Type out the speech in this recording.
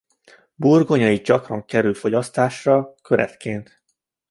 Burgonya is gyakran kerül fogyasztásra köretként.